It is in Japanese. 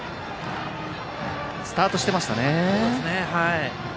スタートしていましたね。